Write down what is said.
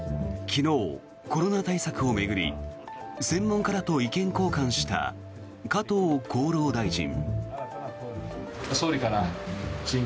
昨日、コロナ対策を巡り専門家らと意見交換した加藤厚労大臣。